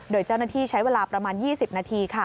โดยเจ้าหน้าที่ใช้เวลาประมาณ๒๐นาที